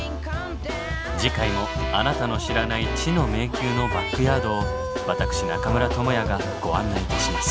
次回もあなたの知らない知の迷宮のバックヤードを私中村倫也がご案内いたします。